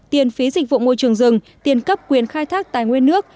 tiền phí dịch vụ môi trường rừng tiền cấp quyền khai thác tài nguyên nước